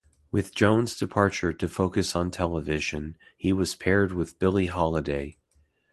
With Jones' departure to focus on television, he was paired with Billie Holiday.